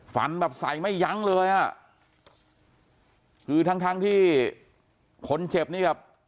ฟันแบบใส่ไม่ยั้งเลยอ่ะคือทั้งทั้งที่คนเจ็บนี่แบบ